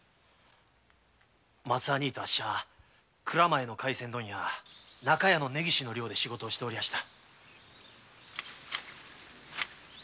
松兄ぃとあっしは蔵前の回船問屋「中屋」の根岸の寮で仕事をしておりました。